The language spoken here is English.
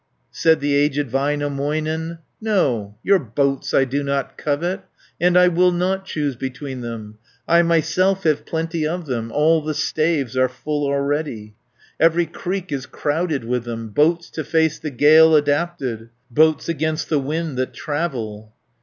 380 Said the aged Väinämöinen, "No, your boats I do not covet, And I will not choose between them, I myself have plenty of them. All the staves are full already, Every creek is crowded with them, Boats to face the gale adapted, Boats against the wind that travel."